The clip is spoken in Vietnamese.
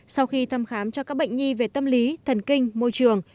sau khi thăm khám cho các bệnh nhi về tâm lý thần kinh môi trường